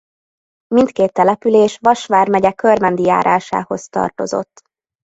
Mindkét település Vas vármegye Körmendi járásához tartozott.